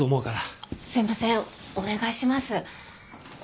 あっすいませんお願いします。